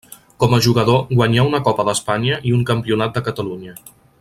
Com a jugador guanyà una Copa d'Espanya i un Campionat de Catalunya.